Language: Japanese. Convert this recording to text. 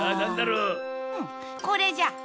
うんこれじゃ！